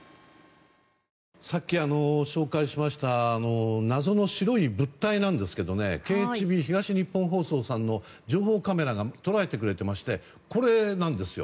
さっき、紹介しました謎の白い物体なんですけどｋｈｂ・東日本放送の情報カメラが捉えてくれていましてこれなんですよ。